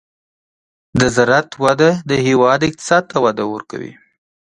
د زراعت وده د هېواد اقتصاد ته وده ورکوي.